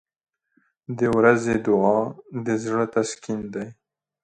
• د ورځې دعا د زړه تسکین دی.